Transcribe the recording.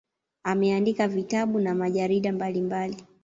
Ameandika vitabu na majarida mbalimbali.